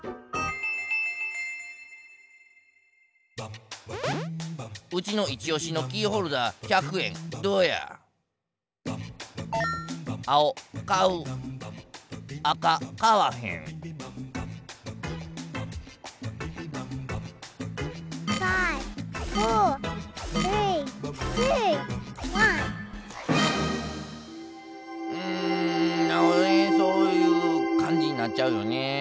んあえそういうかんじになっちゃうよね。